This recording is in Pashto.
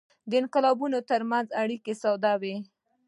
د انقلابونو ترمنځ اړیکه ساده وه.